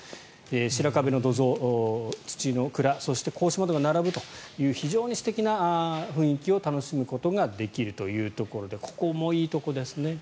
白壁の土蔵、土の蔵そして格子窓が並ぶという非常に素敵な雰囲気を楽しむことができるというところでここもいいところですね。